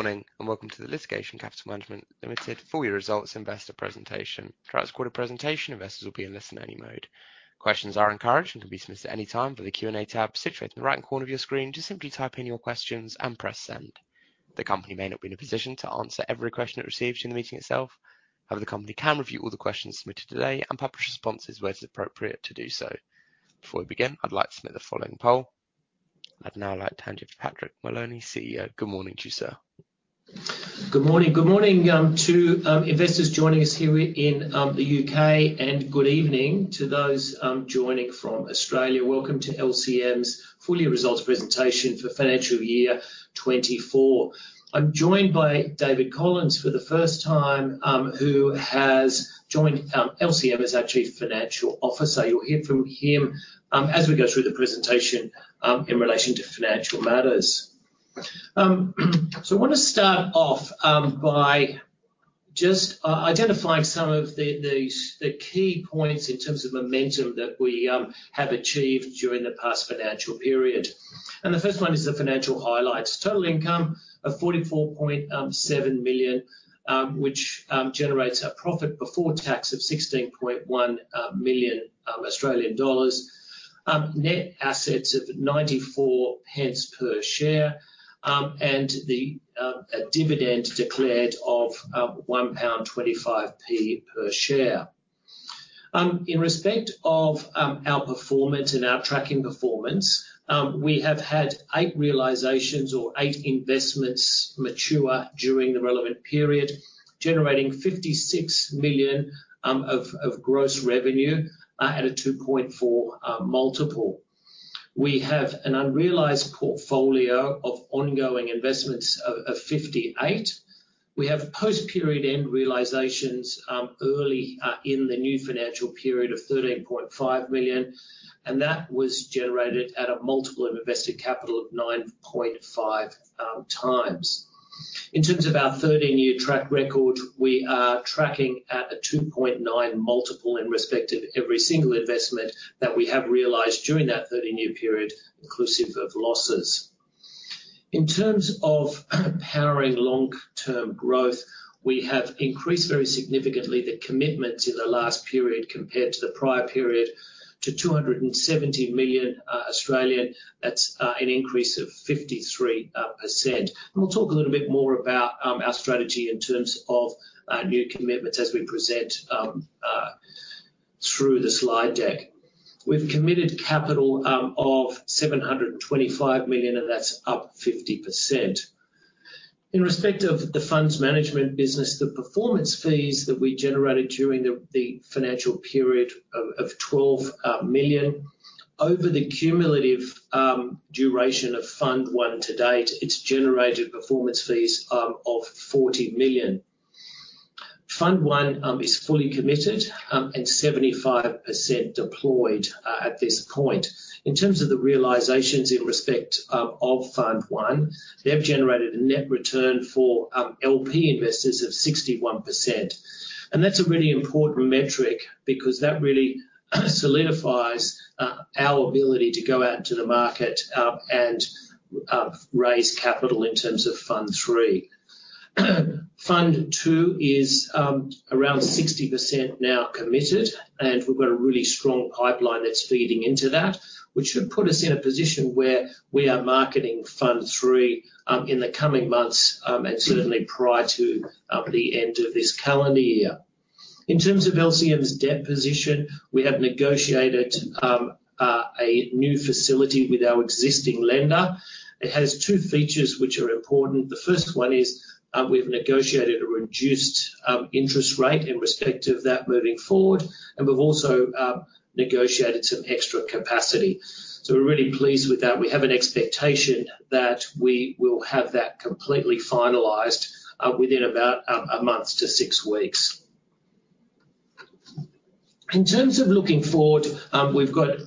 Good morning, and welcome to the Litigation Capital Management Limited full year results investor presentation. Throughout this quarter presentation, investors will be in listen-only mode. Questions are encouraged and can be submitted at any time via the Q&A tab situated in the right corner of your screen. Just simply type in your questions and press Send. The company may not be in a position to answer every question it receives during the meeting itself. However, the company can review all the questions submitted today and publish responses where it is appropriate to do so. Before we begin, I'd like to submit the following poll. I'd now like to hand you to Patrick Moloney, CEO. Good morning to you, sir. Good morning. Good morning to investors joining us here in the U.K., and good evening to those joining from Australia. Welcome to LCM's full year results presentation for financial year twenty-four. I'm joined by David Collins for the first time, who has joined LCM as our Chief Financial Officer. You'll hear from him as we go through the presentation in relation to financial matters. So I want to start off by just identifying some of the key points in terms of momentum that we have achieved during the past financial period. And the first one is the financial highlights. Total income of 44.7 million, which generates a profit before tax of 16.1 million Australian dollars. Net assets of 0.94 per share, and a dividend declared of 1.25 pound per share. In respect of our performance and our tracking performance, we have had eight realizations or eight investments mature during the relevant period, generating 56 million of gross revenue at a 2.4 multiple. We have an unrealized portfolio of ongoing investments of 58 million. We have post-period end realizations early in the new financial period of 13.5 million, and that was generated at a multiple of invested capital of 9.5 times. In terms of our 13-year track record, we are tracking at a 2.9 multiple in respect of every single investment that we have realized during that 13-year period, inclusive of losses. In terms of powering long-term growth, we have increased very significantly the commitments in the last period compared to the prior period to 270 million. That's an increase of 53%. And we'll talk a little bit more about our strategy in terms of new commitments as we present through the slide deck. We've committed capital of 725 million, and that's up 50%. In respect of the funds management business, the performance fees that we generated during the financial period of 12 million. Over the cumulative duration of Fund I to date, it's generated performance fees of 40 million. Fund I is fully committed and 75% deployed at this point. In terms of the realizations in respect of Fund I, they've generated a net return for LP investors of 61%. And that's a really important metric because that really solidifies our ability to go out into the market and raise capital in terms of Fund III. Fund II is around 60% now committed, and we've got a really strong pipeline that's feeding into that, which should put us in a position where we are marketing Fund III in the coming months and certainly prior to the end of this calendar year. In terms of LCM's debt position, we have negotiated a new facility with our existing lender. It has two features which are important. The first one is, we've negotiated a reduced, interest rate in respect of that moving forward, and we've also, negotiated some extra capacity. So we're really pleased with that. We have an expectation that we will have that completely finalized, within about, a month to six weeks. In terms of looking forward, we've got,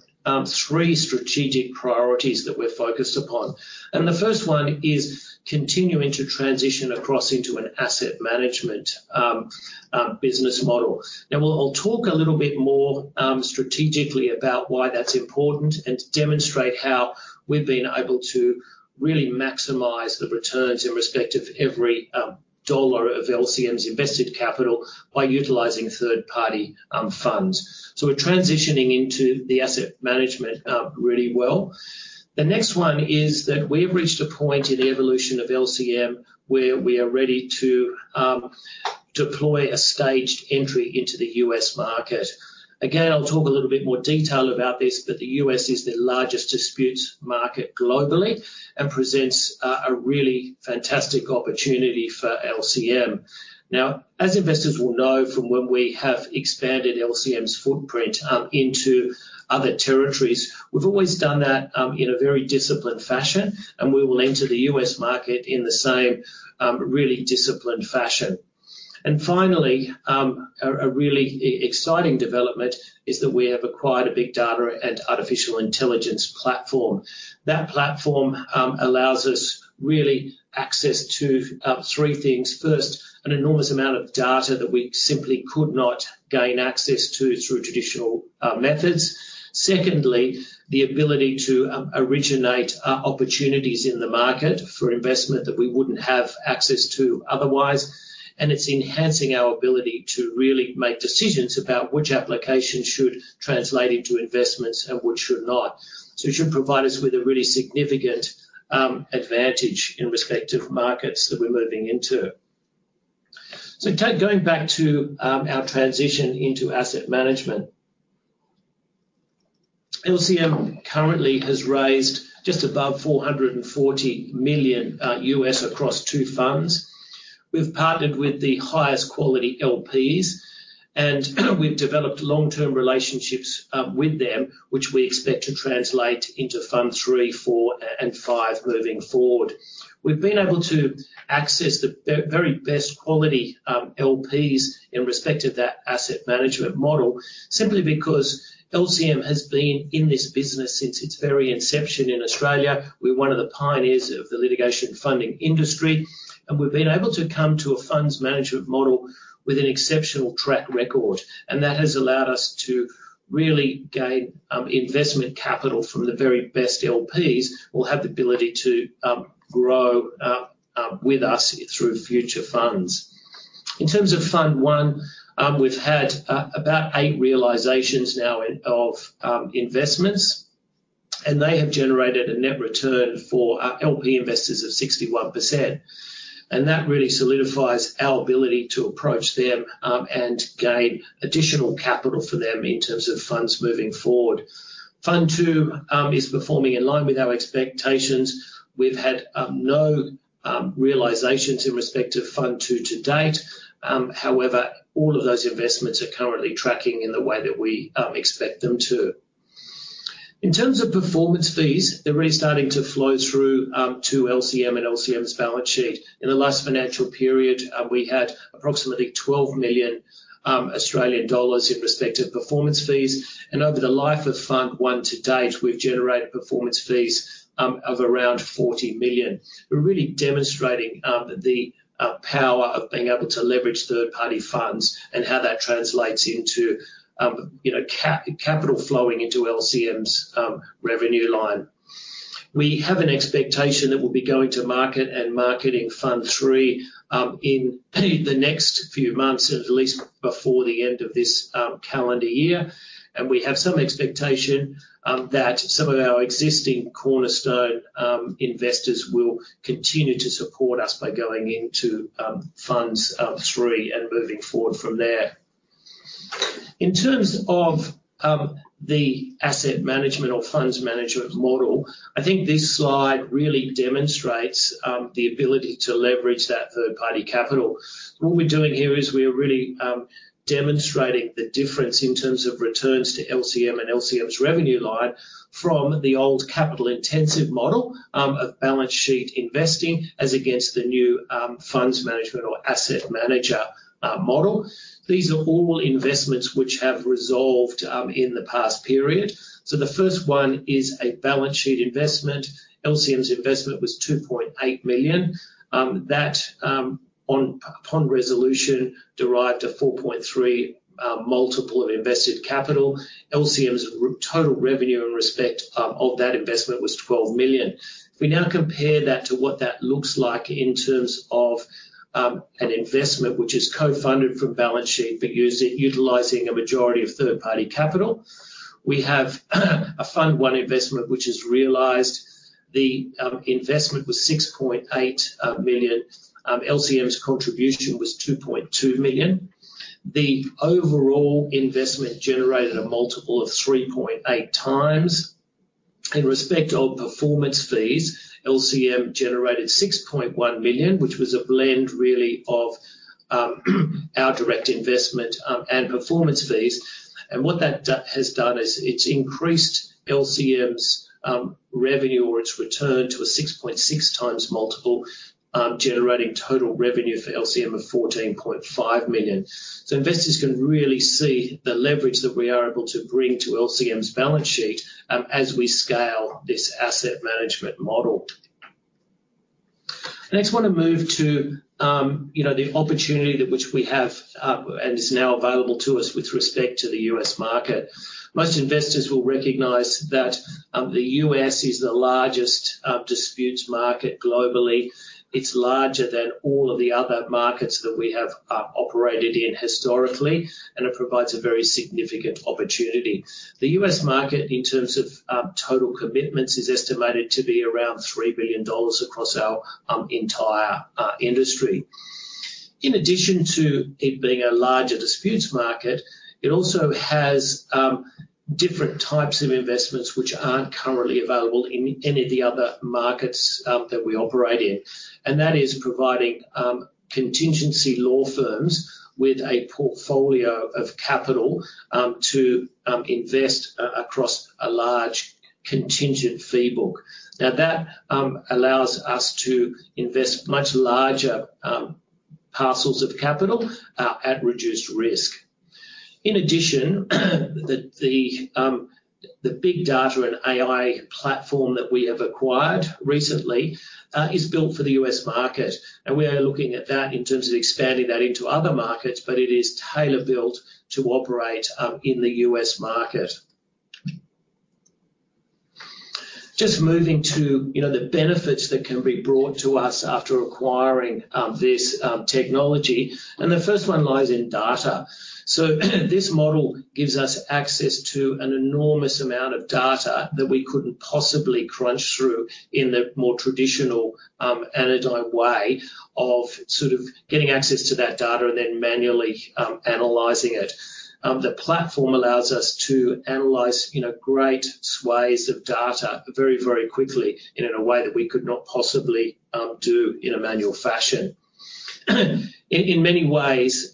three strategic priorities that we're focused upon, and the first one is continuing to transition across into an asset management, business model. Now, I'll talk a little bit more, strategically about why that's important and demonstrate how we've been able to really maximize the returns in respect of every, dollar of LCM's invested capital by utilizing third-party, funds. So we're transitioning into the asset management, really well. The next one is that we've reached a point in the evolution of LCM where we are ready to deploy a staged entry into the U.S. market. Again, I'll talk a little bit more detail about this, but the U.S. is the largest disputes market globally and presents a really fantastic opportunity for LCM. Now, as investors will know from when we have expanded LCM's footprint into other territories, we've always done that in a very disciplined fashion, and we will enter the U.S. market in the same really disciplined fashion. And finally, a really exciting development is that we have acquired a big data and artificial intelligence platform. That platform allows us really access to three things. First, an enormous amount of data that we simply could not gain access to through traditional methods.... Secondly, the ability to originate opportunities in the market for investment that we wouldn't have access to otherwise, and it's enhancing our ability to really make decisions about which applications should translate into investments and which should not. So it should provide us with a really significant advantage in respective markets that we're moving into. So take going back to our transition into asset management, LCM currently has raised just above $440 million across two funds. We've partnered with the highest quality LPs, and we've developed long-term relationships with them, which we expect to translate into Fund III, Four, and Five moving forward. We've been able to access the very best quality LPs in respect of that asset management model, simply because LCM has been in this business since its very inception in Australia. We're one of the pioneers of the litigation funding industry, and we've been able to come to a funds management model with an exceptional track record, and that has allowed us to really gain investment capital from the very best LPs. They will have the ability to grow with us through future funds. In terms of Fund I, we've had about eight realizations now of investments, and they have generated a net return for our LP investors of 61%, and that really solidifies our ability to approach them and gain additional capital for them in terms of funds moving forward. Fund II is performing in line with our expectations. We've had no realizations in respect to Fund II to date. However, all of those investments are currently tracking in the way that we expect them to. In terms of performance fees, they're really starting to flow through to LCM and LCM's balance sheet. In the last financial period, we had approximately 12 million Australian dollars in respect to performance fees, and over the life of Fund I to date, we've generated performance fees of around 40 million. We're really demonstrating the power of being able to leverage third-party funds and how that translates into you know, capital flowing into LCM's revenue line. We have an expectation that we'll be going to market and marketing Fund III in the next few months, at least before the end of this calendar year. And we have some expectation that some of our existing cornerstone investors will continue to support us by going into Fund III and moving forward from there. In terms of, the asset management or funds management model, I think this slide really demonstrates, the ability to leverage that third-party capital. What we're doing here is we are really, demonstrating the difference in terms of returns to LCM and LCM's revenue line from the old capital-intensive model, of balance sheet investing, as against the new, funds management or asset manager, model. These are all investments which have resolved, in the past period. So the first one is a balance sheet investment. LCM's investment was 2.8 million. That, upon resolution, derived a 4.3 multiple of invested capital. LCM's total revenue in respect, of that investment was 12 million. We now compare that to what that looks like in terms of an investment which is co-funded from balance sheet, but utilizing a majority of third-party capital. We have a Fund I investment, which has realized. The investment was 6.8 million. LCM's contribution was 2.2 million. The overall investment generated a multiple of 3.8 times. In respect of performance fees, LCM generated 6.1 million, which was a blend really of our direct investment and performance fees, and what that has done is it's increased LCM's revenue or its return to a 6.6 times multiple, generating total revenue for LCM of 14.5 million. So investors can really see the leverage that we are able to bring to LCM's balance sheet as we scale this asset management model. Next, I want to move to, you know, the opportunity that which we have and is now available to us with respect to the U.S. market. Most investors will recognize that the U.S. is the largest disputes market globally. It's larger than all of the other markets that we have operated in historically, and it provides a very significant opportunity. The U.S. market, in terms of total commitments, is estimated to be around $3 billion across our entire industry. In addition to it being a larger disputes market, it also has different types of investments which aren't currently available in any of the other markets that we operate in, and that is providing contingency law firms with a portfolio of capital to invest across a large contingent fee book. Now, that allows us to invest much larger parcels of capital at reduced risk. In addition, the big data and AI platform that we have acquired recently is built for the U.S. market, and we are looking at that in terms of expanding that into other markets, but it is tailor-built to operate in the U.S. market. Just moving to, you know, the benefits that can be brought to us after acquiring this technology, and the first one lies in data. So this model gives us access to an enormous amount of data that we couldn't possibly crunch through in the more traditional analog way of sort of getting access to that data and then manually analyzing it. The platform allows us to analyze, you know, great swathes of data very, very quickly and in a way that we could not possibly do in a manual fashion. In many ways,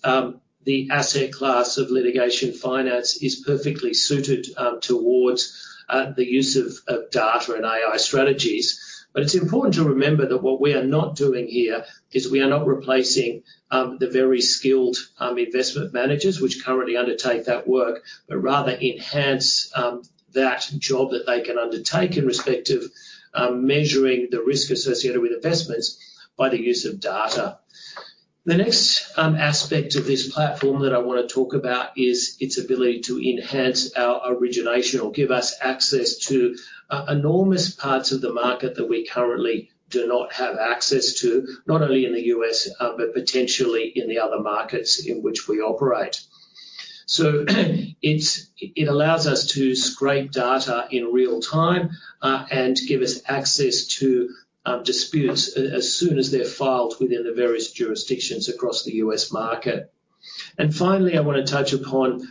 the asset class of litigation finance is perfectly suited towards the use of data and AI strategies. But it's important to remember that what we are not doing here is we are not replacing the very skilled investment managers which currently undertake that work, but rather enhance that job that they can undertake in respect of measuring the risk associated with investments by the use of data. The next aspect of this platform that I want to talk about is its ability to enhance our origination or give us access to enormous parts of the market that we currently do not have access to, not only in the U.S., but potentially in the other markets in which we operate. So, it allows us to scrape data in real time and give us access to disputes as soon as they're filed within the various jurisdictions across the U.S. market. And finally, I want to touch upon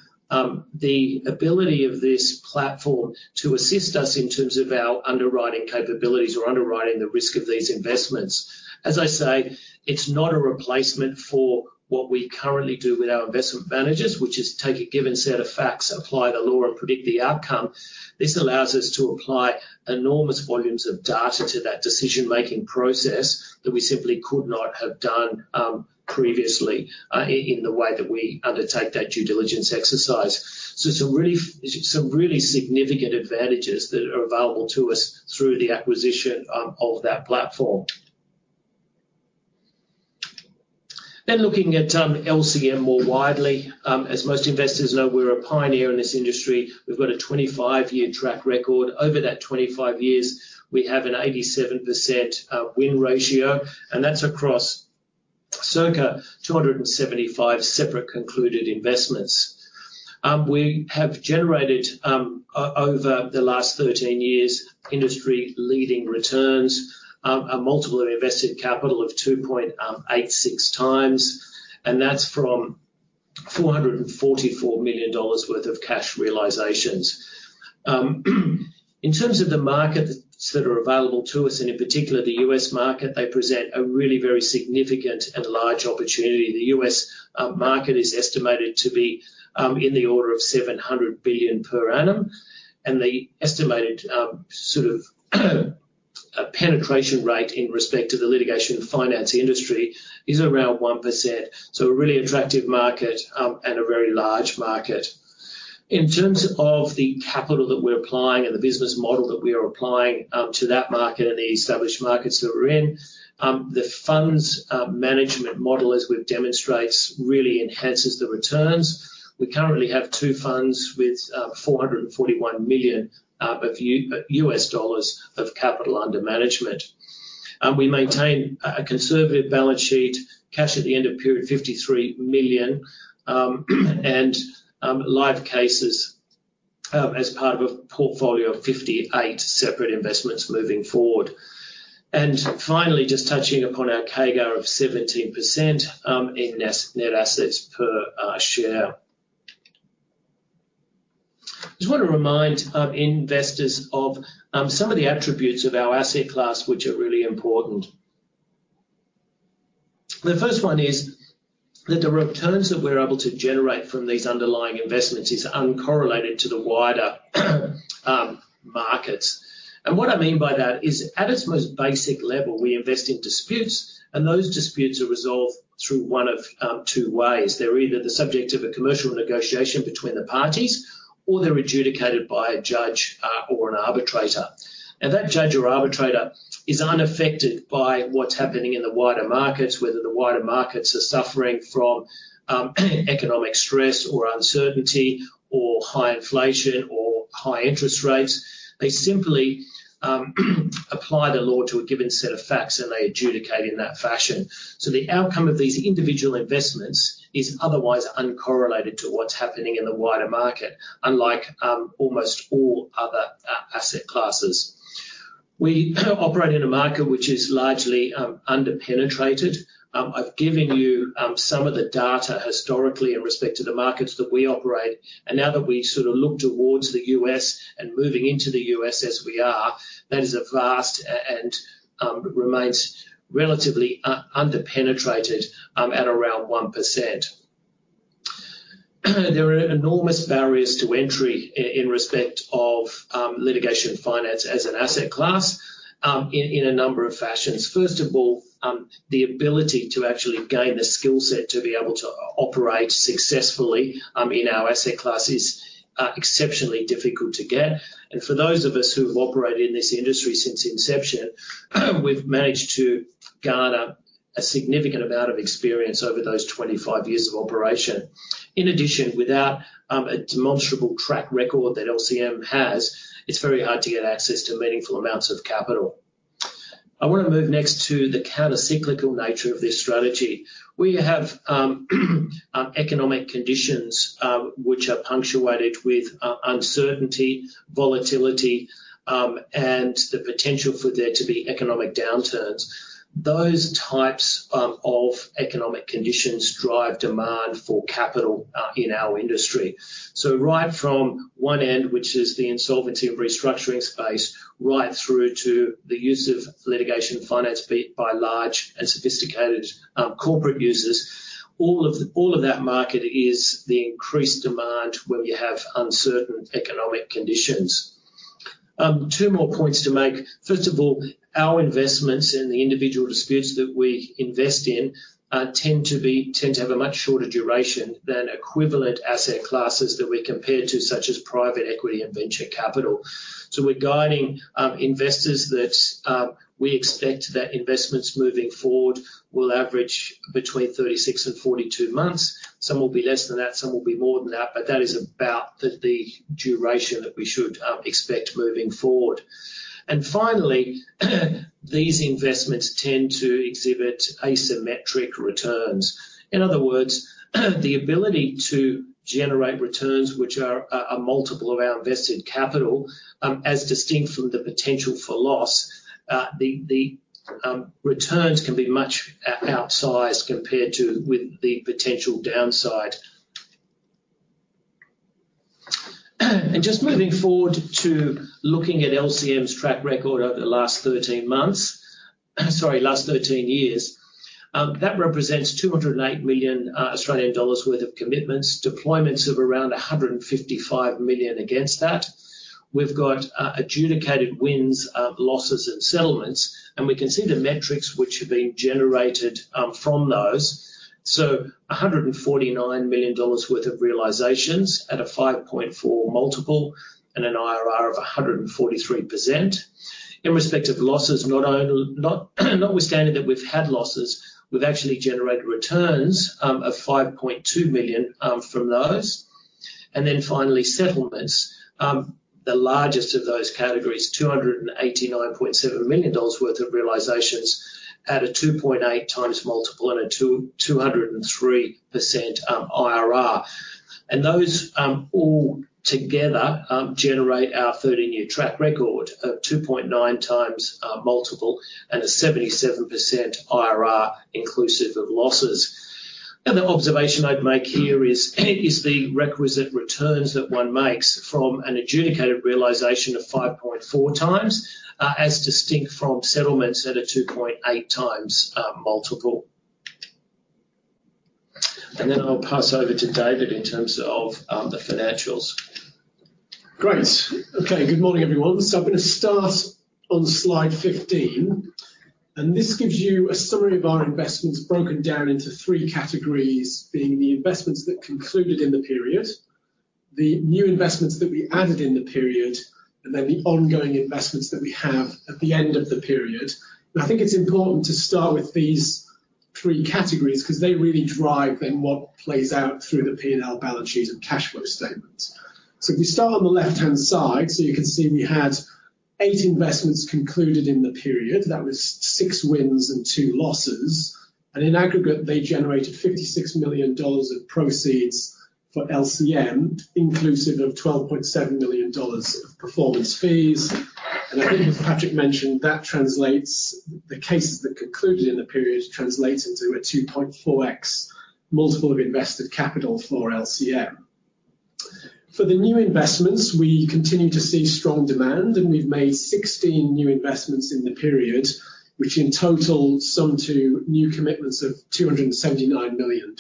the ability of this platform to assist us in terms of our underwriting capabilities or underwriting the risk of these investments. As I say, it's not a replacement for what we currently do with our investment managers, which is take a given set of facts, apply the law, and predict the outcome. This allows us to apply enormous volumes of data to that decision-making process that we simply could not have done previously in the way that we undertake that due diligence exercise. So some really significant advantages that are available to us through the acquisition of that platform. Then looking at LCM more widely, as most investors know, we're a pioneer in this industry. We've got a 25-year track record. Over that 25 years, we have an 87% win ratio, and that's across circa 275 separate concluded investments. We have generated over the last 13 years industry-leading returns, a multiple of invested capital of 2.86 times, and that's from $444 million worth of cash realizations. In terms of the markets that are available to us, and in particular, the U.S. market, they present a really very significant and large opportunity. The U.S. market is estimated to be in the order of $700 billion per annum, and the estimated sort of penetration rate in respect to the litigation finance industry is around 1%, so a really attractive market and a very large market. In terms of the capital that we're applying and the business model that we are applying to that market and the established markets that we're in, the funds management model, as we've demonstrates, really enhances the returns. We currently have two funds with 441 million of U.S. dollars of capital under management. We maintain a conservative balance sheet, cash at the end of period, 53 million, and live cases as part of a portfolio of 58 separate investments moving forward. Finally, just touching upon our CAGR of 17% in net assets per share. Just want to remind investors of some of the attributes of our asset class, which are really important. The first one is that the returns that we're able to generate from these underlying investments is uncorrelated to the wider markets. And what I mean by that is, at its most basic level, we invest in disputes, and those disputes are resolved through one of two ways. They're either the subject of a commercial negotiation between the parties, or they're adjudicated by a judge or an arbitrator. That judge or arbitrator is unaffected by what's happening in the wider markets, whether the wider markets are suffering from economic stress or uncertainty or high inflation or high interest rates. They simply apply the law to a given set of facts, and they adjudicate in that fashion. The outcome of these individual investments is otherwise uncorrelated to what's happening in the wider market, unlike almost all other asset classes. We operate in a market which is largely under-penetrated. I've given you some of the data historically in respect to the markets that we operate, and now that we sort of look towards the U.S. and moving into the U.S. as we are, that is a vast and remains relatively under-penetrated at around 1%. There are enormous barriers to entry in respect of litigation finance as an asset class in a number of fashions. First of all, the ability to actually gain the skill set to be able to operate successfully in our asset class is exceptionally difficult to get. And for those of us who have operated in this industry since inception, we've managed to garner a significant amount of experience over those twenty-five years of operation. In addition, without a demonstrable track record that LCM has, it's very hard to get access to meaningful amounts of capital. I want to move next to the countercyclical nature of this strategy, where you have economic conditions which are punctuated with uncertainty, volatility, and the potential for there to be economic downturns. Those types of economic conditions drive demand for capital in our industry. So right from one end, which is the insolvency and restructuring space, right through to the use of litigation finance by large and sophisticated corporate users, all of that market is the increased demand when you have uncertain economic conditions. Two more points to make. First of all, our investments in the individual disputes that we invest in tend to have a much shorter duration than equivalent asset classes that we compare to, such as private equity and venture capital. So we're guiding investors that we expect that investments moving forward will average between thirty-six and forty-two months. Some will be less than that, some will be more than that, but that is about the duration that we should expect moving forward. Finally, these investments tend to exhibit asymmetric returns. In other words, the ability to generate returns which are a multiple of our invested capital, as distinct from the potential for loss, the returns can be much outsized compared to with the potential downside. Just moving forward to looking at LCM's track record over the last 13 months, sorry, last 13 years, that represents 208 million Australian dollars worth of commitments, deployments of around 155 million against that. We've got adjudicated wins, losses, and settlements, and we can see the metrics which have been generated from those. A hundred million dollars worth of realizations at a 5.4 multiple and an IRR of 143%. In respect of losses, not only... not, notwithstanding that, we've had losses, we've actually generated returns of $5.2 million from those. And then finally, settlements. The largest of those categories, $289.7 million worth of realizations at a 2.8 times multiple and a 203% IRR. And those all together generate our thirteen-year track record of 2.9 times multiple and a 77% IRR, inclusive of losses. And the observation I'd make here is the requisite returns that one makes from an adjudicated realization of 5.4 times, as distinct from settlements at a 2.8 times multiple. And then I'll pass over to David in terms of the financials. Great! Okay. Good morning, everyone, so I'm gonna start on slide 15, and this gives you a summary of our investments broken down into three categories, being the investments that concluded in the period, the new investments that we added in the period, and then the ongoing investments that we have at the end of the period, and I think it's important to start with these three categories, 'cause they really drive then what plays out through the P&L balance sheet and cash flow statements, so if we start on the left-hand side, so you can see we had eight investments concluded in the period. That was six wins and two losses, and in aggregate, they generated $56 million of proceeds for LCM, inclusive of $12.7 million of performance fees. I think Patrick mentioned that the cases that concluded in the period translate into a 2.4x multiple of invested capital for LCM. For the new investments, we continue to see strong demand, and we've made 16 new investments in the period, which in total sum to new commitments of $279 million.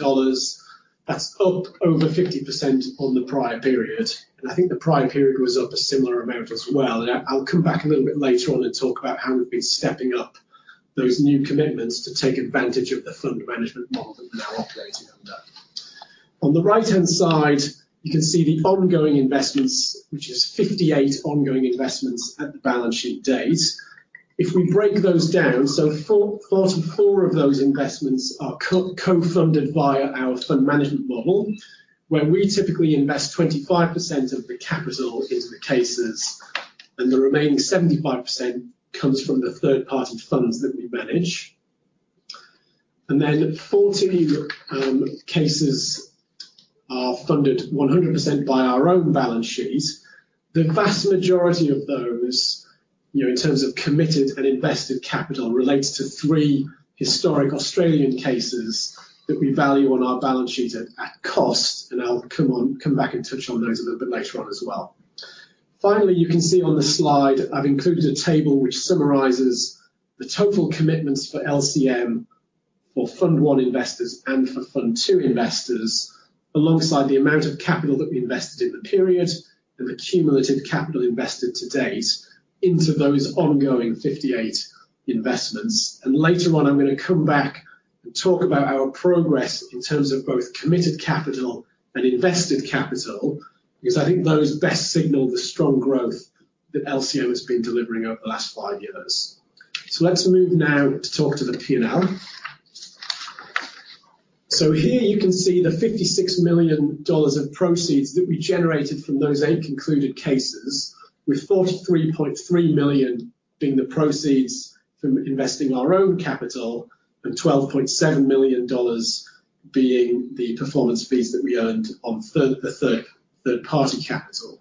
That's up over 50% on the prior period, and I think the prior period was up a similar amount as well. I will come back a little bit later on and talk about how we've been stepping up those new commitments to take advantage of the fund management model that we're now operating under. On the right-hand side, you can see the ongoing investments, which is 58 ongoing investments at the balance sheet date. If we break those down, so forty-four of those investments are co-funded via our fund management model, where we typically invest 25% of the capital into the cases, and the remaining 75% comes from the third-party funds that we manage. Then forty cases are funded 100% by our own balance sheets. The vast majority of those, you know, in terms of committed and invested capital, relates to three historic Australian cases that we value on our balance sheet at cost, and I'll come back and touch on those a little bit later on as well. Finally, you can see on the slide. I've included a table which summarizes the total commitments for LCM, Fund I investors and Fund I investors, alongside the amount of capital that we invested in the period and the cumulative capital invested to date into those ongoing 58 investments. Later on, I'm gonna come back and talk about our progress in terms of both committed capital and invested capital, because I think those best signal the strong growth that LCM has been delivering over the last five years. Let's move now to talk to the P&L. Here you can see the $56 million of proceeds that we generated from those eight concluded cases, with $43.3 million being the proceeds from investing our own capital and $12.7 million being the performance fees that we earned on the third-party capital.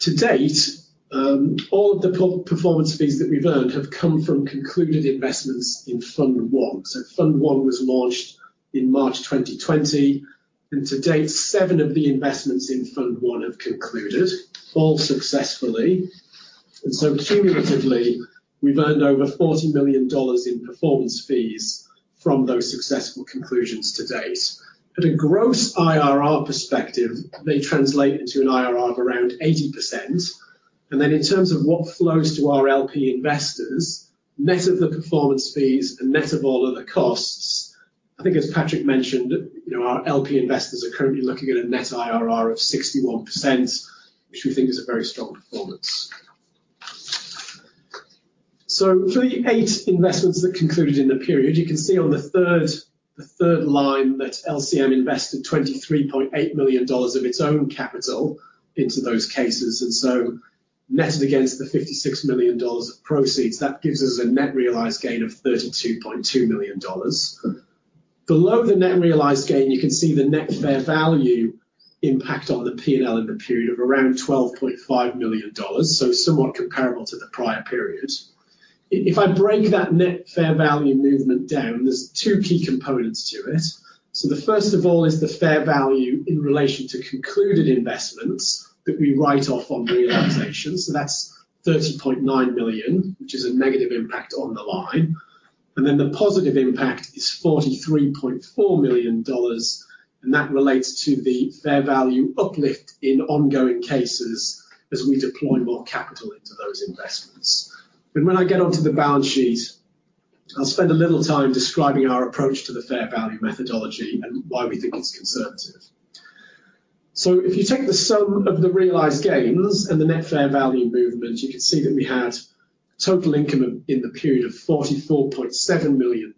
To date, all of the performance fees that we've earned have come from concluded investments Fund I was launched in March 2020, and to date, seven of the investments Fund I have concluded, all successfully. And so cumulatively, we've earned over $40 million in performance fees from those successful conclusions to date. At a gross IRR perspective, they translate into an IRR of around 80%, and then in terms of what flows to our LP investors, net of the performance fees and net of all other costs, I think as Patrick mentioned, you know, our LP investors are currently looking at a net IRR of 61%, which we think is a very strong performance. So for the eight investments that concluded in the period, you can see on the third line, that LCM invested $23.8 million of its own capital into those cases. And so netted against the $56 million of proceeds, that gives us a net realized gain of $32.2 million. Below the net realized gain, you can see the net fair value impact on the P&L in the period of around $12.5 million, so somewhat comparable to the prior period. If I break that net fair value movement down, there's two key components to it. So the first of all is the fair value in relation to concluded investments that we write off on realization. So that's $30.9 million, which is a negative impact on the line, and then the positive impact is $43.4 million, and that relates to the fair value uplift in ongoing cases as we deploy more capital into those investments. And when I get onto the balance sheet, I'll spend a little time describing our approach to the fair value methodology and why we think it's conservative. So if you take the sum of the realized gains and the net fair value movement, you can see that we had total income in the period of $44.7 million,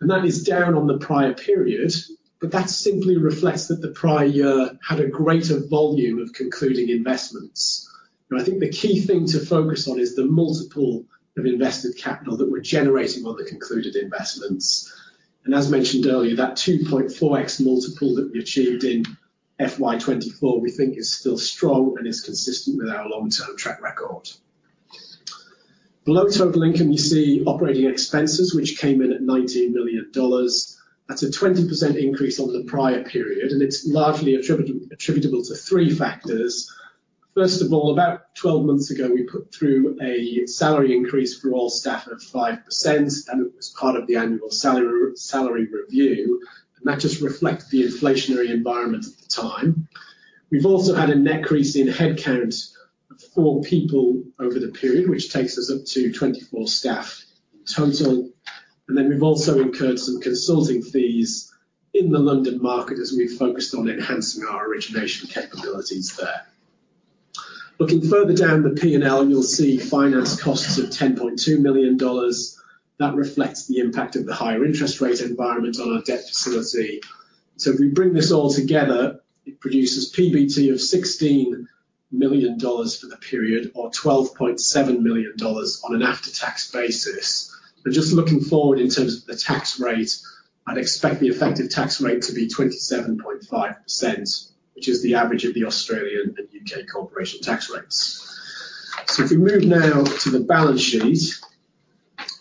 and that is down on the prior period. But that simply reflects that the prior year had a greater volume of concluding investments. And I think the key thing to focus on is the multiple of invested capital that we're generating on the concluded investments. As mentioned earlier, that 2.4x multiple that we achieved in FY2024, we think is still strong and is consistent with our long-term track record. Below total income, you see operating expenses, which came in at $19 million. That's a 20% increase on the prior period, and it's largely attributable to three factors. First of all, about 12 months ago, we put through a salary increase for all staff of 5%, and it was part of the annual salary review, and that just reflects the inflationary environment at the time. We've also had an increase in headcount of 4 people over the period, which takes us up to 24 staff total. And then we've also incurred some consulting fees in the London market as we've focused on enhancing our origination capabilities there. Looking further down the P&L, you'll see finance costs of $10.2 million. That reflects the impact of the higher interest rate environment on our debt facility. So if we bring this all together, it produces PBT of $16 million for the period, or $12.7 million on an after-tax basis. But just looking forward in terms of the tax rate, I'd expect the effective tax rate to be 27.5%, which is the average of the Australian and U.K. corporation tax rates. So if we move now to the balance sheet.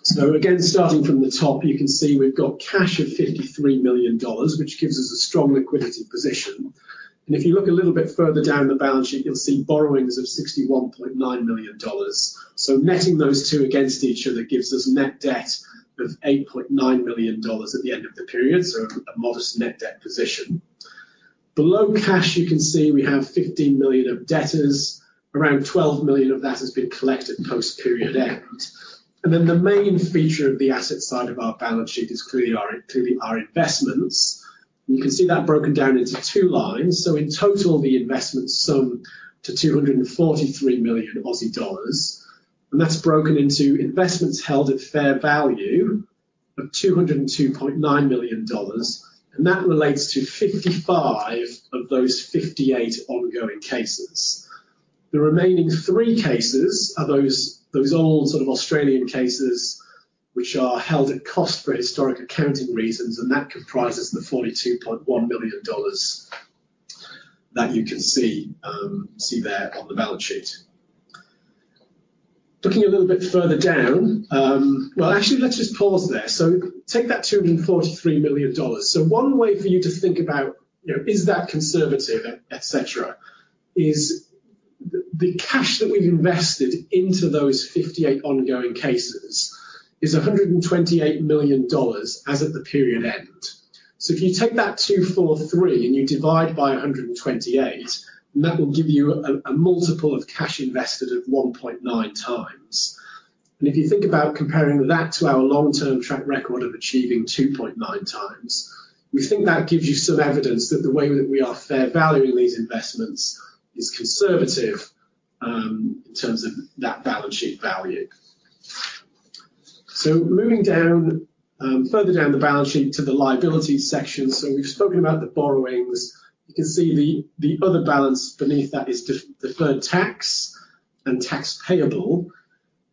So again, starting from the top, you can see we've got cash of $53 million, which gives us a strong liquidity position. And if you look a little bit further down the balance sheet, you'll see borrowings of $61.9 million. Netting those two against each other gives us net debt of $8.9 million at the end of the period, so a modest net debt position. Below cash, you can see we have $15 million of debtors. Around $12 million of that has been collected post-period end. The main feature of the asset side of our balance sheet is clearly our investments. You can see that broken down into two lines. In total, the investments sum to 243 million Aussie dollars, and that's broken into investments held at fair value of $202.9 million, and that relates to 55 of those 58 ongoing cases. The remaining three cases are those old sort of Australian cases, which are held at cost for historic accounting reasons, and that comprises the $42.1 million that you can see there on the balance sheet. Looking a little bit further down. Actually, let's just pause there. So take that $243 million. So one way for you to think about, you know, is that conservative, et cetera, is the cash that we've invested into those 58 ongoing cases is $128 million as of the period end. So if you take that 243, and you divide by 128, and that will give you a multiple of cash invested of 1.9 times. And if you think about comparing that to our long-term track record of achieving 2.9 times, we think that gives you some evidence that the way that we are fair valuing these investments is conservative in terms of that balance sheet value. So moving down further down the balance sheet to the liabilities section. So we've spoken about the borrowings. You can see the other balance beneath that is deferred tax and tax payable.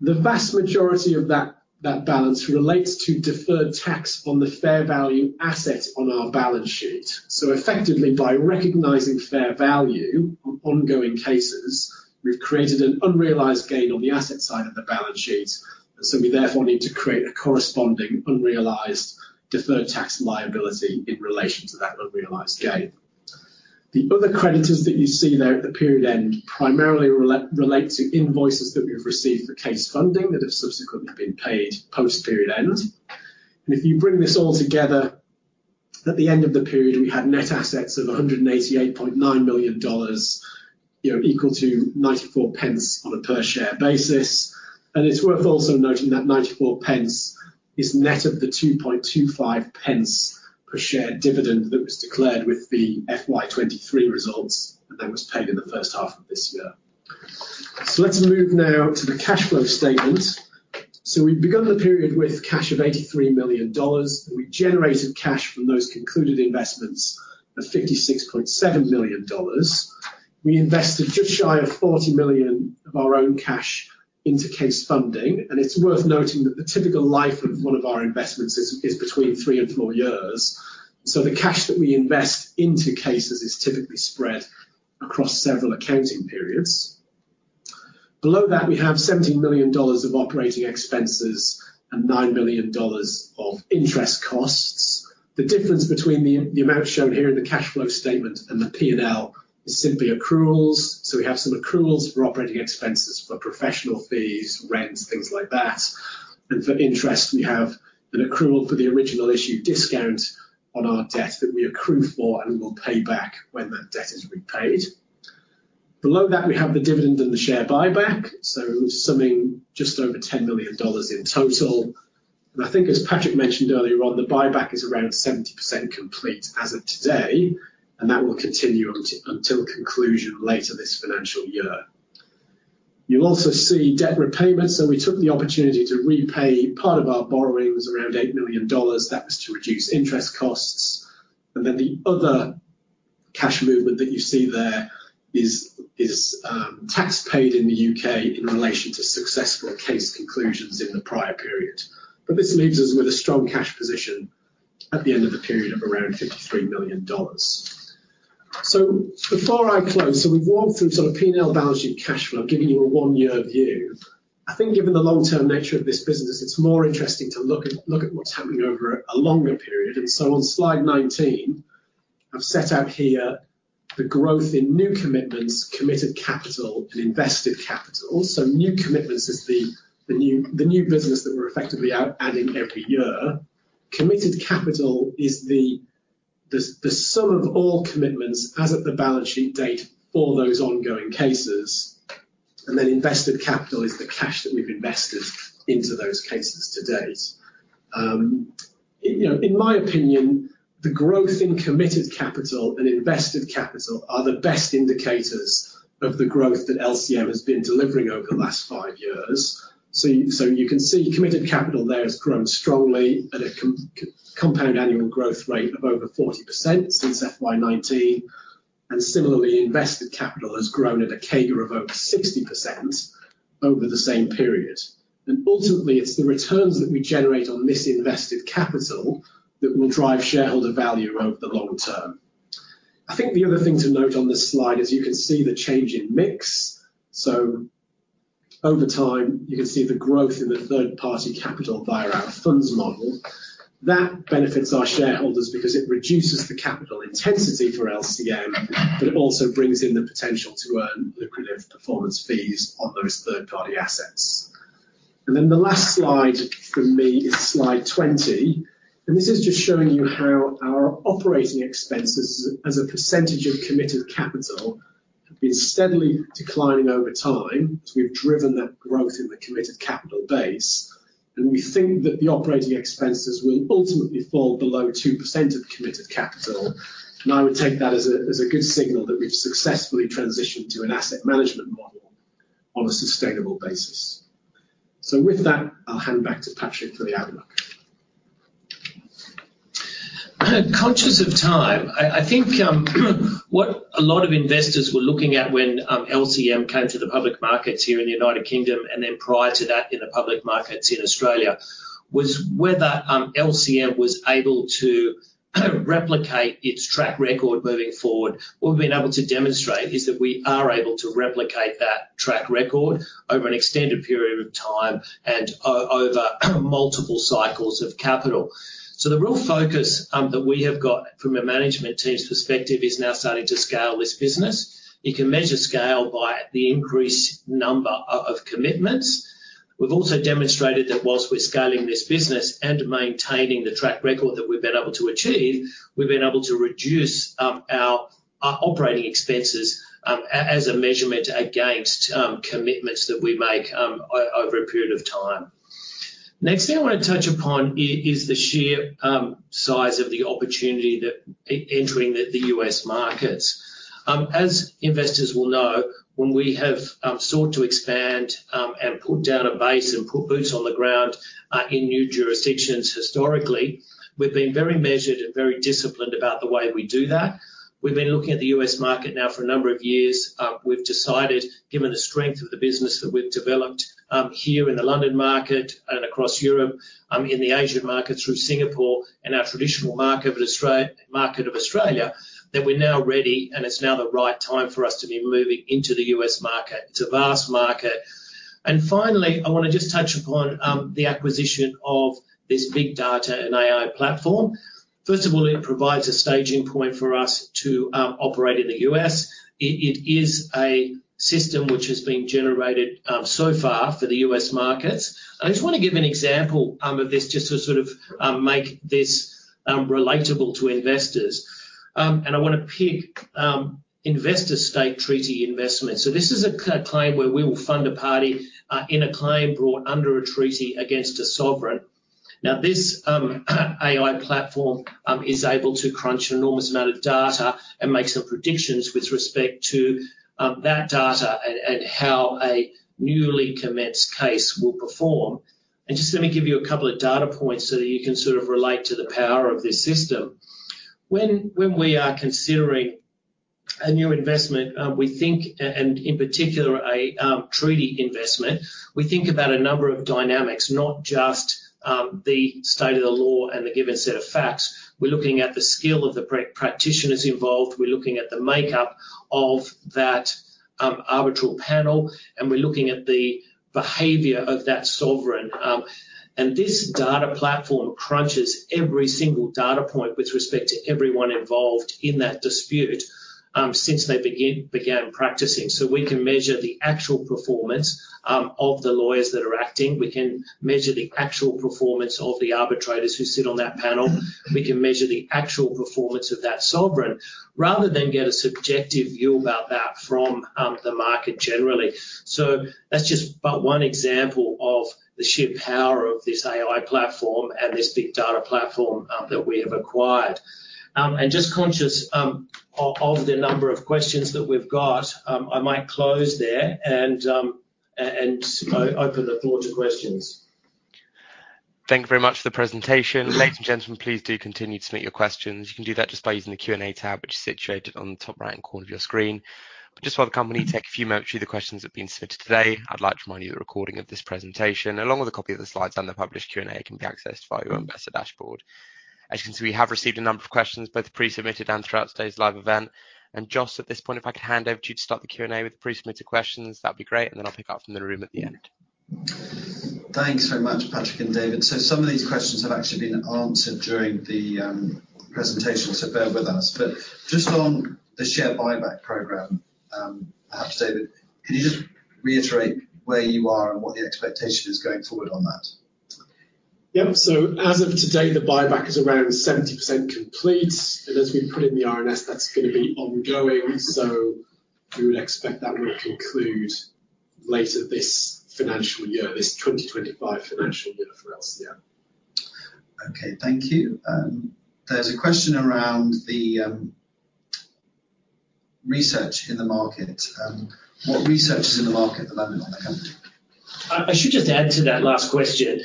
The vast majority of that balance relates to deferred tax on the fair value asset on our balance sheet. So effectively, by recognizing fair value on ongoing cases, we've created an unrealized gain on the asset side of the balance sheet. So we therefore need to create a corresponding unrealized deferred tax liability in relation to that unrealized gain. The other creditors that you see there at the period end primarily relate to invoices that we've received for case funding that have subsequently been paid post-period end. And if you bring this all together, at the end of the period, we had net assets of $188.9 million, you know, equal to 94 pence on a per share basis. And it's worth also noting that 94 pence is net of the 2.25 pence per share dividend that was declared with the FY2023 results, and that was paid in the first half of this year. So let's move now to the cash flow statement. So we've begun the period with cash of $83 million. We generated cash from those concluded investments of $56.7 million. We invested just shy of $40 million of our own cash into case funding, and it's worth noting that the typical life of one of our investments is between three and four years. So the cash that we invest into cases is typically spread across several accounting periods. Below that, we have $70 million of operating expenses and $9 million of interest costs. The difference between the amount shown here in the cash flow statement and the P&L is simply accruals. So we have some accruals for operating expenses, for professional fees, rents, things like that. And for interest, we have an accrual for the original issue discount on our debt that we accrue for and will pay back when that debt is repaid. Below that, we have the dividend and the share buyback, so summing just over $10 million in total. I think as Patrick mentioned earlier on, the buyback is around 70% complete as of today, and that will continue until conclusion later this financial year. You'll also see debt repayments, so we took the opportunity to repay part of our borrowings, around $8 million. That was to reduce interest costs. And then the other cash movement that you see there is tax paid in the U.K. in relation to successful case conclusions in the prior period. But this leaves us with a strong cash position at the end of the period of around $53 million. So before I close, we've walked through sort of P&L balance sheet cash flow, giving you a one-year view. I think given the long-term nature of this business, it's more interesting to look at what's happening over a longer period. On slide 19, I've set out here the growth in new commitments, committed capital and invested capital. New commitments is the new business that we're effectively out adding every year. Committed capital is the sum of all commitments as of the balance sheet date for those ongoing cases. Invested capital is the cash that we've invested into those cases to date. You know, in my opinion, the growth in committed capital and invested capital are the best indicators of the growth that LCM has been delivering over the last five years. You can see committed capital there has grown strongly at a compound annual growth rate of over 40% since FY2019, and similarly, invested capital has grown at a CAGR of over 60% over the same period. And ultimately, it's the returns that we generate on this invested capital that will drive shareholder value over the long term. I think the other thing to note on this slide is you can see the change in mix. So over time, you can see the growth in the third-party capital via our funds model. That benefits our shareholders because it reduces the capital intensity for LCM, but it also brings in the potential to earn lucrative performance fees on those third-party assets. And then the last slide from me is slide 20, and this is just showing you how our operating expenses as a percentage of committed capital have been steadily declining over time. So we've driven that growth in the committed capital base, and we think that the operating expenses will ultimately fall below 2% of the committed capital. And I would take that as a good signal that we've successfully transitioned to an asset management model on a sustainable basis. So with that, I'll hand back to Patrick for the outlook. Conscious of time, I think what a lot of investors were looking at when LCM came to the public markets here in the United Kingdom, and then prior to that, in the public markets in Australia, was whether LCM was able to replicate its track record moving forward. What we've been able to demonstrate is that we are able to replicate that track record over an extended period of time and over multiple cycles of capital. So the real focus that we have got from a management team's perspective is now starting to scale this business. You can measure scale by the increased number of commitments. We've also demonstrated that whilst we're scaling this business and maintaining the track record that we've been able to achieve, we've been able to reduce our... Operating expenses, as a measurement against, commitments that we make, over a period of time. Next thing I want to touch upon is the sheer size of the opportunity that entering the U.S. markets. As investors will know, when we have sought to expand and put down a base and put boots on the ground in new jurisdictions, historically, we've been very measured and very disciplined about the way we do that. We've been looking at the U.S. market now for a number of years. We've decided, given the strength of the business that we've developed here in the London market and across Europe, in the Asian market through Singapore, and our traditional market of Australia, that we're now ready, and it's now the right time for us to be moving into the U.S. market. It's a vast market. Finally, I want to just touch upon the acquisition of this big data and AI platform. First of all, it provides a staging point for us to operate in the U.S. It is a system which has been generated so far for the U.S. markets. I just want to give an example of this, just to sort of make this relatable to investors. I want to pick investor-state treaty investment. So this is a claim where we will fund a party in a claim brought under a treaty against a sovereign. Now, this AI platform is able to crunch an enormous amount of data and make some predictions with respect to that data and how a newly commenced case will perform. And just let me give you a couple of data points so that you can sort of relate to the power of this system. When we are considering a new investment, and in particular, a treaty investment, we think about a number of dynamics, not just the state of the law and the given set of facts. We're looking at the skill of the practitioners involved. We're looking at the makeup of that arbitral panel, and we're looking at the behavior of that sovereign. And this data platform crunches every single data point with respect to everyone involved in that dispute, since they began practicing. So we can measure the actual performance of the lawyers that are acting, we can measure the actual performance of the arbitrators who sit on that panel, we can measure the actual performance of that sovereign, rather than get a subjective view about that from the market generally. So that's just but one example of the sheer power of this AI platform and this big data platform that we have acquired. And just conscious of the number of questions that we've got, I might close there and open the floor to questions. Thank you very much for the presentation. Ladies and gentlemen, please do continue to submit your questions. You can do that just by using the Q&A tab, which is situated on the top right-hand corner of your screen. But just while the company take a few moments through the questions that have been submitted today, I'd like to remind you the recording of this presentation, along with a copy of the slides and the published Q&A, can be accessed via your investor dashboard. As you can see, we have received a number of questions, both pre-submitted and throughout today's live event. And, Jos, at this point, if I could hand over to you to start the Q&A with the pre-submitted questions, that'd be great, and then I'll pick up from the room at the end. Thanks very much, Patrick and David. So some of these questions have actually been answered during the presentation, so bear with us. But just on the share buyback program, perhaps, David, can you just reiterate where you are and what the expectation is going forward on that? Yep. So as of today, the buyback is around 70% complete, and as we put in the RNS, that's gonna be ongoing, so we would expect that will conclude later this financial year, this twenty twenty-five financial year for us. Yeah. Okay, thank you. There's a question around the research in the market. What research is in the market at the moment on the company? I should just add to that last question.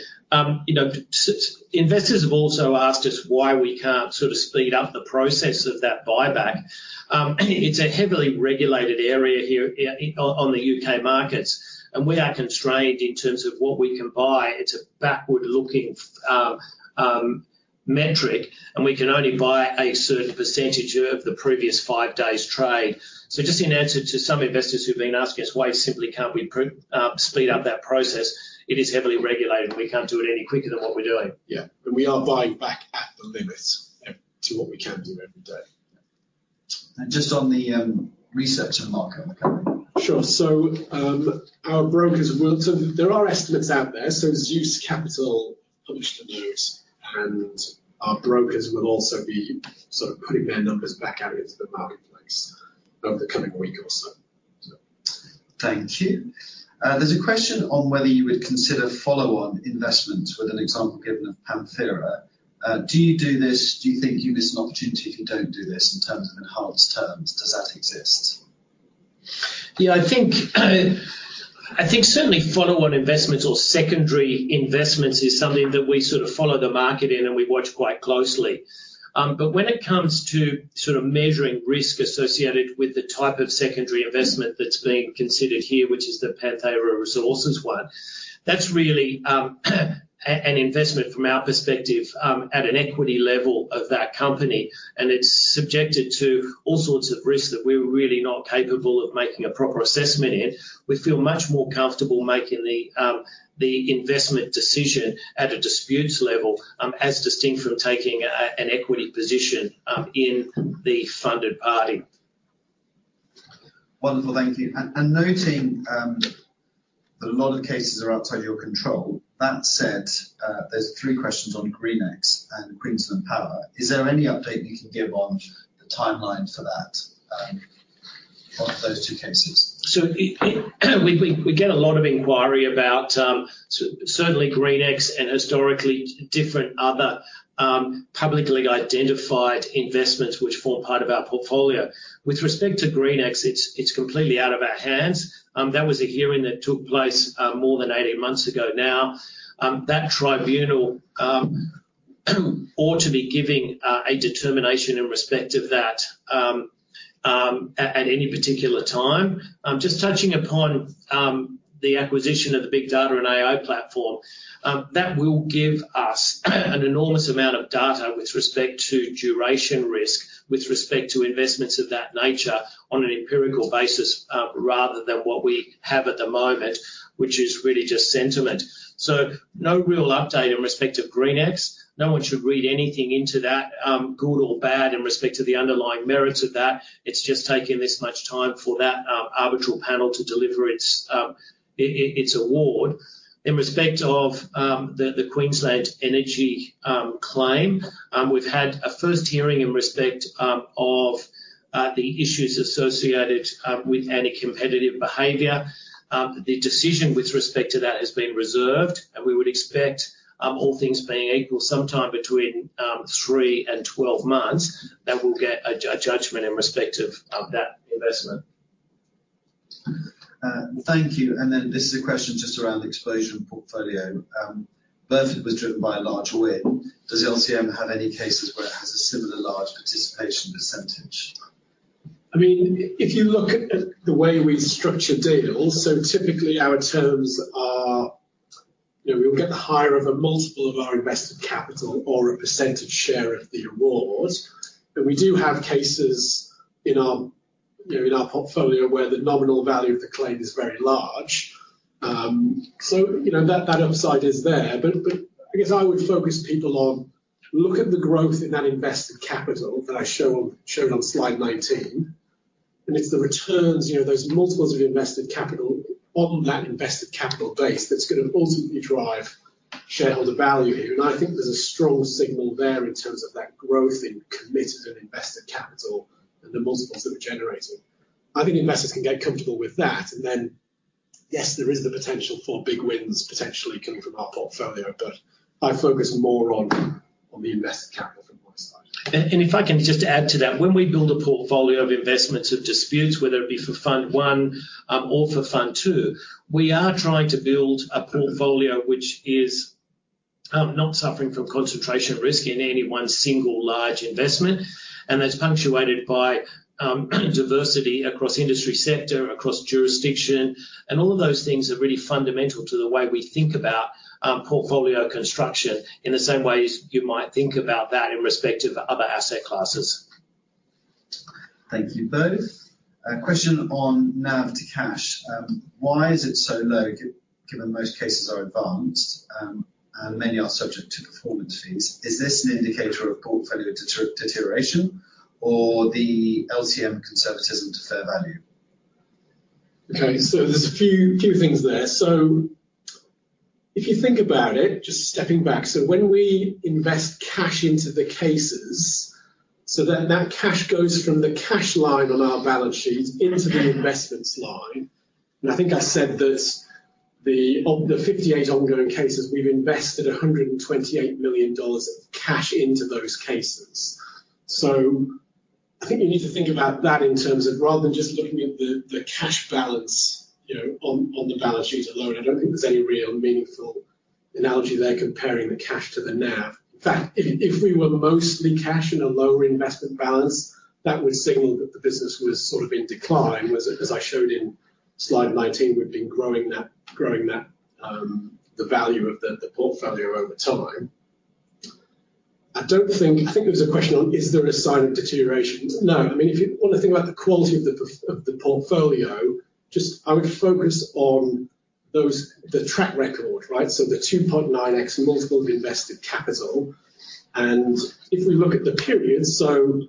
You know, some investors have also asked us why we can't sort of speed up the process of that buyback. It's a heavily regulated area here, on the U.K. markets, and we are constrained in terms of what we can buy. It's a backward-looking metric, and we can only buy a certain percentage of the previous five days' trade. So just in answer to some investors who've been asking us why simply can't we speed up that process, it is heavily regulated, and we can't do it any quicker than what we're doing. Yeah, and we are buying back at the limit even to what we can do every day. And just on the research and market on the company. Sure. So, our brokers will. So there are estimates out there, so Zeus Capital published a note, and our brokers will also be sort of putting their numbers back out into the marketplace over the coming week or so. Thank you. There's a question on whether you would consider follow-on investments with an example given of Panthera. Do you do this? Do you think you miss an opportunity if you don't do this in terms of enhanced terms? Does that exist? Yeah, I think certainly follow-on investments or secondary investments is something that we sort of follow the market in, and we watch quite closely, but when it comes to sort of measuring risk associated with the type of secondary investment that's being considered here, which is the Panthera Resources one, that's really an investment from our perspective at an equity level of that company, and it's subjected to all sorts of risks that we're really not capable of making a proper assessment in. We feel much more comfortable making the investment decision at a disputes level as distinct from taking an equity position in the funded party.... Wonderful. Thank you. And noting that a lot of cases are outside your control, that said, there's three questions on GreenX and Queensland Energy. Is there any update you can give on the timeline for that, on those two cases? So we get a lot of inquiry about certainly GreenX, and historically, different other publicly identified investments which form part of our portfolio. With respect to GreenX, it's completely out of our hands. That was a hearing that took place more than eighteen months ago now. That tribunal ought to be giving a determination in respect of that at any particular time. Just touching upon the acquisition of the big data and AI platform that will give us an enormous amount of data with respect to duration risk, with respect to investments of that nature on an empirical basis rather than what we have at the moment, which is really just sentiment. So no real update in respect to GreenX. No one should read anything into that, good or bad, in respect to the underlying merits of that. It's just taking this much time for that, arbitral panel to deliver its award. In respect of the Queensland Energy claim, we've had a first hearing in respect of the issues associated with any competitive behavior. The decision with respect to that has been reserved, and we would expect, all things being equal, sometime between three and 12 months, that we'll get a judgment in respect of that investment. Thank you. And then this is a question just around the exposure portfolio. Burford was driven by a large win. Does LCM have any cases where it has a similar large participation percentage? I mean, if you look at the way we structure deals, so typically our terms are... You know, we will get the higher of a multiple of our invested capital or a percentage share of the award, and we do have cases in our, you know, in our portfolio where the nominal value of the claim is very large. So, you know, that upside is there, but I guess I would focus people on look at the growth in that invested capital that I showed on slide 19, and it's the returns, you know, those multiples of invested capital on that invested capital base that's gonna ultimately drive shareholder value here, and I think there's a strong signal there in terms of that growth in committed and invested capital and the multiples that we're generating. I think investors can get comfortable with that, and then, yes, there is the potential for big wins potentially coming from our portfolio, but I focus more on, on the invested capital from my side. If I can just add to that, when we build a portfolio of investments of disputes, whether it be for Fund I, or for Fund II, we are trying to build a portfolio which is not suffering from concentration risk in any one single large investment, and that's punctuated by diversity across industry sector, across jurisdiction, and all of those things are really fundamental to the way we think about portfolio construction, in the same way as you might think about that in respect of other asset classes. Thank you both. A question on NAV to cash. Why is it so low, given most cases are advanced, and many are subject to performance fees? Is this an indicator of portfolio deterioration or the LCM conservatism to fair value? Okay, so there's a few things there. So if you think about it, just stepping back, so when we invest cash into the cases, so then that cash goes from the cash line on our balance sheet into the investments line. And I think I said that the 58 ongoing cases, we've invested $128 million of cash into those cases. So I think you need to think about that in terms of rather than just looking at the cash balance, you know, on the balance sheet alone. I don't think there's any real meaningful analogy there comparing the cash to the NAV. In fact, if we were mostly cash in a lower investment balance, that would signal that the business was sort of in decline. As I showed in slide 19, we've been growing that, the value of the portfolio over time. I don't think. I think there was a question on: Is there a sign of deterioration? No. I mean, if you want to think about the quality of the portfolio, just I would focus on those, the track record, right? So the 2.9x multiple of invested capital, and if we look at the period, so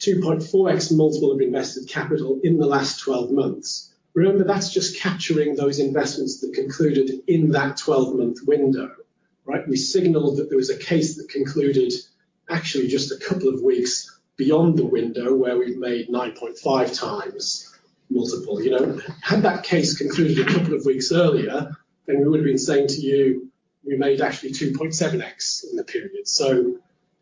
2.4x multiple of invested capital in the last 12 months. Remember, that's just capturing those investments that concluded in that 12-month window, right? We signaled that there was a case that concluded actually just a couple of weeks beyond the window, where we made 9.5 times multiple. You know, had that case concluded a couple of weeks earlier, then we would have been saying to you, "We made actually 2.7x in the period." So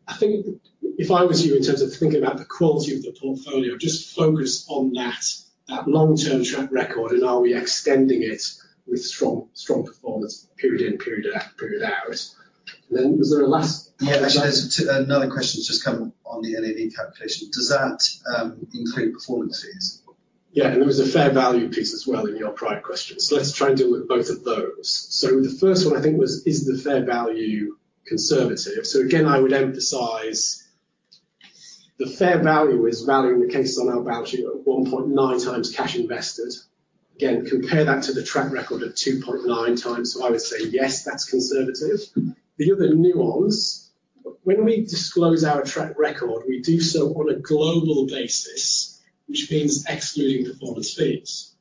I think if I was you, in terms of thinking about the quality of the portfolio, just focus on that, that long-term track record and are we extending it with strong, strong performance, period in, period out. Then was there a last- Yeah, there's another question that's just come on the NAV calculation. Does that include performance fees? Yeah, and there was a fair value piece as well in your prior question. So let's try and deal with both of those. So the first one, I think, was, is the fair value conservative? So again, I would emphasize the fair value is valuing the cases on our balance sheet at one point nine times cash invested. Again, compare that to the track record of two point nine times. So I would say, yes, that's conservative. The other nuance, when we disclose our track record, we do so on a global basis, which means excluding performance fees.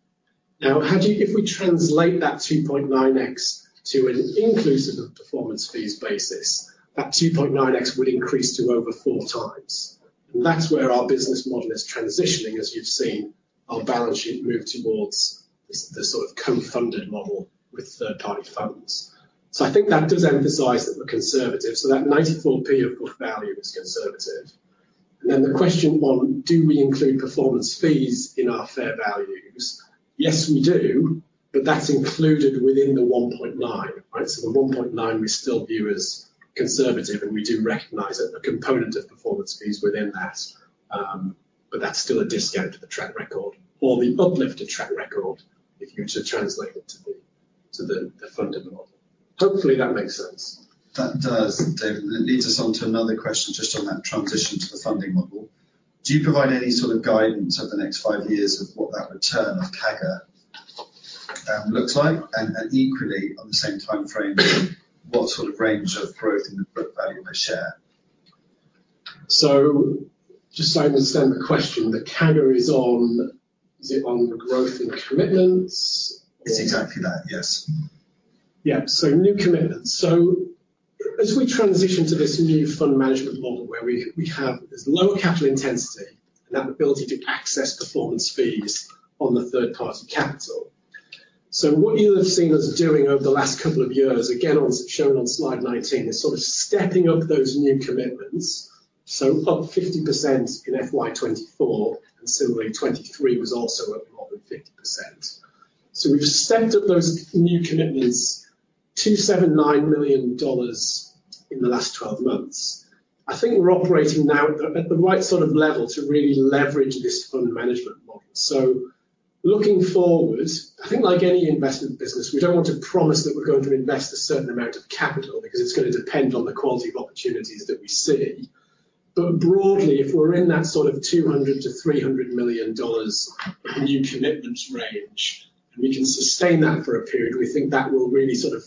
Now, how do you, if we translate that 2.9x to an inclusive of performance fees basis, that 2.9x would increase to over four times, and that's where our business model is transitioning as you've seen our balance sheet move towards this, the sort of co-funded model with third-party funds. So I think that does emphasize that we're conservative, so that 94p of book value is conservative. And then the question on, do we include performance fees in our fair values? Yes, we do, but that's included within the 1.9, right? So the 1.9, we still view as conservative, and we do recognize that a component of performance fees within that, but that's still a discount to the track record or the uplifted track record, if you were to translate it to the funding model. Hopefully, that makes sense. That does, David. It leads us on to another question just on that transition to the funding model. Do you provide any sort of guidance over the next five years of what that return of CAGR looks like? And, and equally, on the same time frame, what sort of range of growth in the book value per share? So just so I understand the question, the CAGR is on... Is it on the growth in commitments? It's exactly that, yes. Yeah, so new commitments. So as we transition to this new fund management model, where we have this lower capital intensity and that ability to access performance fees on the third-party capital. So what you have seen us doing over the last couple of years, again, as shown on slide 19, is sort of stepping up those new commitments, so up 50% in FY2024, and similarly, 2023 was also up more than 50%. So we've stepped up those new commitments, $279 million in the last twelve months. I think we're operating now at the right sort of level to really leverage this fund management model. So looking forward, I think like any investment business, we don't want to promise that we're going to invest a certain amount of capital, because it's gonna depend on the quality of opportunities that we see. But broadly, if we're in that sort of $200 million-$300 million of new commitments range, and we can sustain that for a period, we think that will really sort of,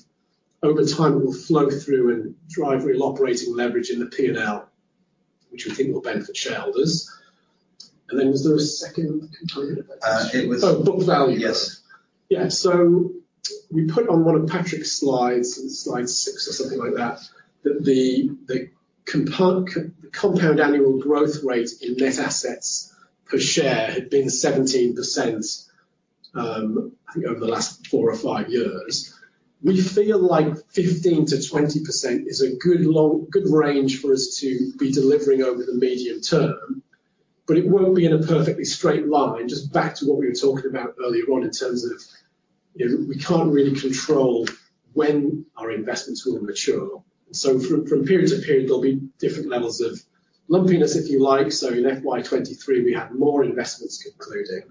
over time, will flow through and drive real operating leverage in the P&L, which we think will benefit shareholders. And then was there a second component of that? It was- Oh, book value. Yes. Yeah, so we put on one of Patrick's slides, in slide 6 or something like that, that the compound annual growth rate in net assets per share had been 17%, I think over the last four or five years. We feel like 15%-20% is a good long, good range for us to be delivering over the medium term, but it won't be in a perfectly straight line. Just back to what we were talking about earlier on in terms of, you know, we can't really control when our investments will mature. So from period to period, there'll be different levels of lumpiness, if you like. So in FY2023, we had more investments concluding.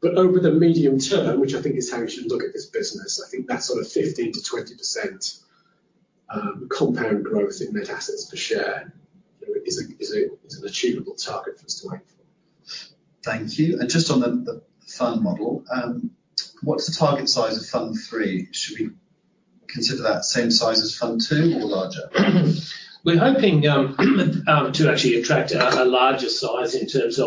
But over the medium term, which I think is how you should look at this business, I think that sort of 15%-20% compound growth in net assets per share, you know, is an achievable target for us to aim for. Thank you. And just on the fund model, what's the target size Fund III? should we consider that same size Fund II or larger? We're hoping to actually attract a larger size in terms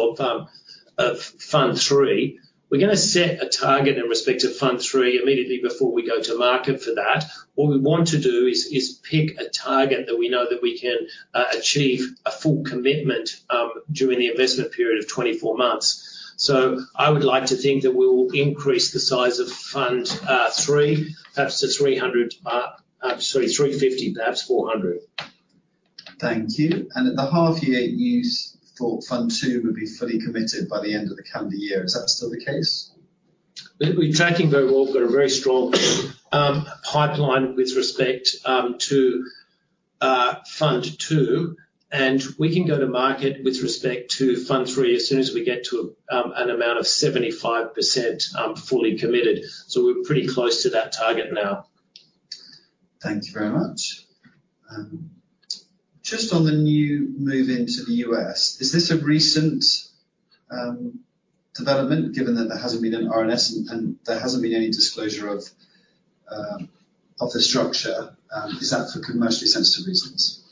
Fund III. we're gonna set a target in respect Fund III immediately before we go to market for that. What we want to do is pick a target that we know that we can achieve a full commitment during the investment period of 24 months. So I would like to think that we will increase the size Fund III, perhaps to 300, sorry, 350, perhaps 400. Thank you. At the half year, you Fund II would be fully committed by the end of the calendar year. Is that still the case? We're tracking very well. We've got a very strong pipeline with respect Fund II, and we can go to market with respect Fund III as soon as we get to an amount of 75% fully committed. So we're pretty close to that target now. Thank you very much. Just on the new move into the U.S., is this a recent development, given that there hasn't been an RNS, and there hasn't been any disclosure of the structure? Is that for commercially sensitive reasons?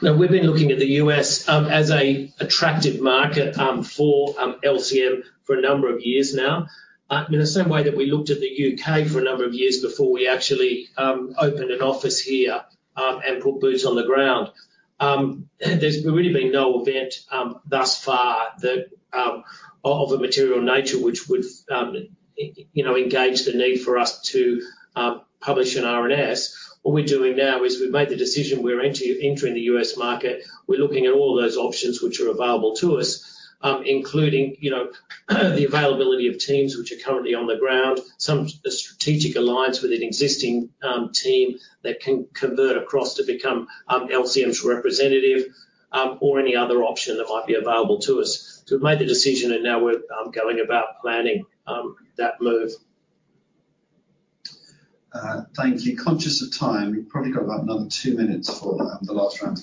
No. We've been looking at the U.S., as an attractive market, for LCM for a number of years now. In the same way that we looked at the U.K. for a number of years before we actually opened an office here and put boots on the ground. There's really been no event thus far that of a material nature which would, you know, engage the need for us to publish an RNS. What we're doing now is we've made the decision; we're entering the U.S. market. We're looking at all those options which are available to us, including, you know, the availability of teams which are currently on the ground, some strategic alliance with an existing team that can convert across to become LCM's representative, or any other option that might be available to us. So we've made the decision, and now we're going about planning that move. Thank you. Conscious of time, we've probably got about another two minutes for the last round.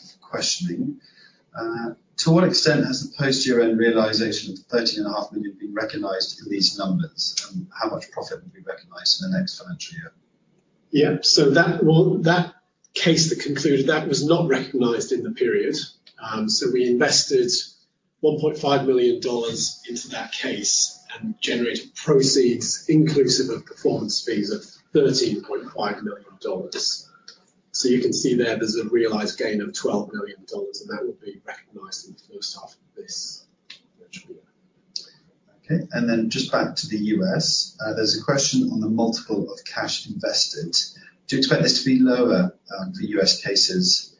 To what extent has the post-year-end realization of 13.5 million been recognized in these numbers, and how much profit will be recognized in the next financial year? Yeah, so that one, that case that concluded, that was not recognized in the period. So we invested $1.5 million into that case and generated proceeds inclusive of performance fees of $13.5 million. So you can see there, there's a realized gain of $12 million, and that will be recognized in the first half of this financial year. Okay, and then just back to the U.S., there's a question on the multiple of cash invested. Do you expect this to be lower, for U.S. cases,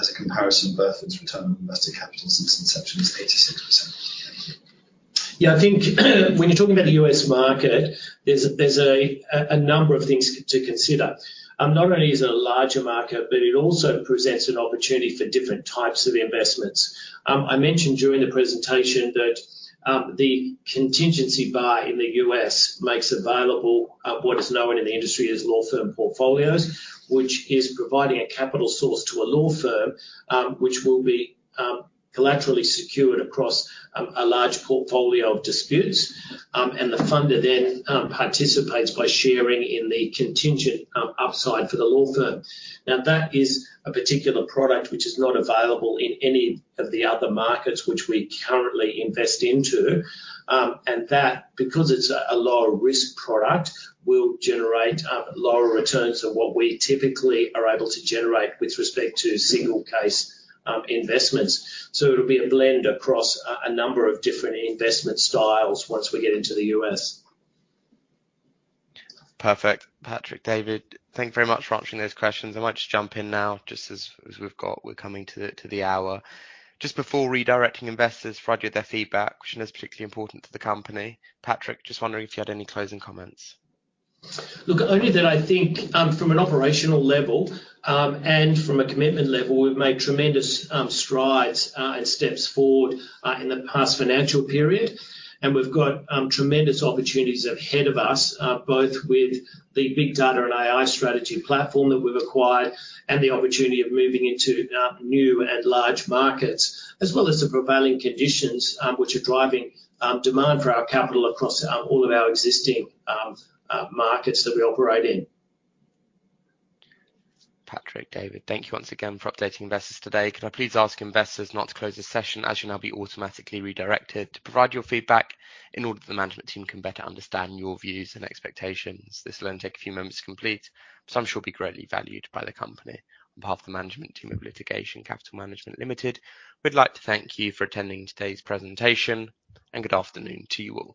as a comparison to Burford's return on invested capital since inception is 86%? Yeah, I think, when you're talking about the U.S. market, there's a number of things to consider. Not only is it a larger market, but it also presents an opportunity for different types of investments. I mentioned during the presentation that the contingency bar in the U.S. makes available what is known in the industry as law firm portfolios, which is providing a capital source to a law firm, which will be collaterally secured across a large portfolio of disputes, and the funder then participates by sharing in the contingent upside for the law firm. Now, that is a particular product which is not available in any of the other markets which we currently invest into. And that, because it's a lower risk product, will generate lower returns than what we typically are able to generate with respect to single case investments. So it'll be a blend across a number of different investment styles once we get into the U.S. Perfect. Patrick, David, thank you very much for answering those questions. I might just jump in now, just as, as we've got, we're coming to the, to the hour. Just before redirecting investors to provide you with their feedback, which is particularly important to the company, Patrick, just wondering if you had any closing comments? Look, only that I think, from an operational level, and from a commitment level, we've made tremendous, strides, and steps forward, in the past financial period. And we've got, tremendous opportunities ahead of us, both with the big data and AI strategy platform that we've acquired, and the opportunity of moving into, new and large markets, as well as the prevailing conditions, which are driving, demand for our capital across, all of our existing, markets that we operate in. Patrick, David, thank you once again for updating investors today. Can I please ask investors not to close this session, as you'll now be automatically redirected, to provide your feedback in order that the management team can better understand your views and expectations. This will only take a few moments to complete, but I'm sure will be greatly valued by the company. On behalf of the management team of Litigation Capital Management Limited, we'd like to thank you for attending today's presentation, and good afternoon to you all.